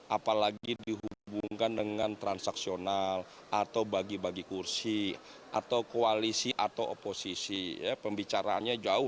apalagi dihubungkan dengan transaksional atau bagi bagi kurang